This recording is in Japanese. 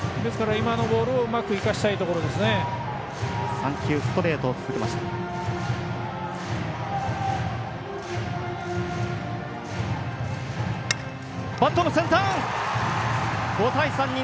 今のボールをうまく生かしたいところですね。